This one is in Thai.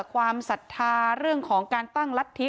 ความศรัทธาเรื่องของการตั้งรัฐธิ